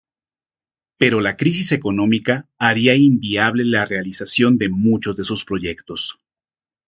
Pero la crisis económica haría inviable la realización de muchos de sus proyectos.